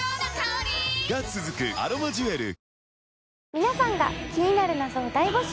皆さんが気になる謎を大募集。